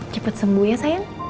cepet sembuh ya sayang